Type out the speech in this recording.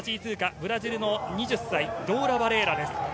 ブラジルの２０歳、ドーラ・バレーラです。